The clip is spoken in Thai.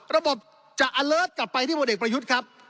ระบบจะอเลิศกลับไปที่ผลเอกประยุทธ์ครับ